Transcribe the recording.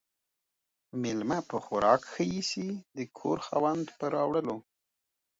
ميلمه په خوراک ِښه ايسي ، د کور خاوند ، په راوړلو.